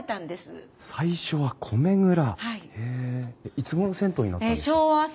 いつごろ銭湯になったんですか？